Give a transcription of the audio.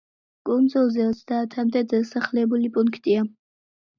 კუნძულზე ოცდაათამდე დასახლებული პუნქტია.